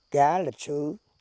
cá lịch sử